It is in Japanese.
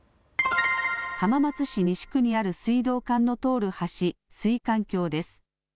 浜松市西区にある水道管の通る橋、水管橋です。